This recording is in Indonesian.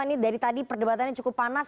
ini dari tadi perdebatannya cukup panas